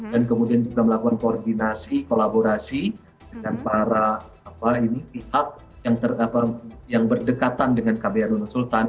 dan kemudian juga melakukan koordinasi kolaborasi dengan pihak yang berdekatan dengan kbri nusultan